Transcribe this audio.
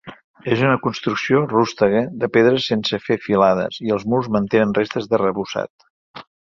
És una construcció rústega de pedres sense fer filades, i els murs mantenen restes d'arrebossat.